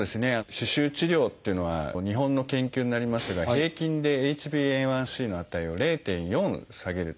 歯周治療っていうのは日本の研究になりますが平均でＨｂＡ１ｃの値を０．４下げるという報告もございます。